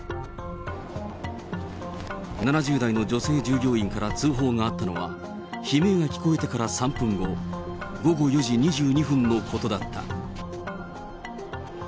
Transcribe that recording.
７０代の女性従業員から通報があったのは、悲鳴が聞こえてから３分後、午後４時２２分のことだった。